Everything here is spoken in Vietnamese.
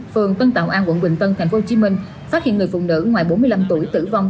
phường tân tạo an quận bình tân tp hcm phát hiện người phụ nữ ngoài bốn mươi năm tuổi tử vong